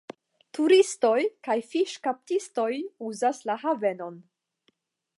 Turistoj kaj fiŝkaptistoj uzas la havenon.